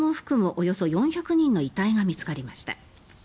およそ４００人の遺体が見つかりました。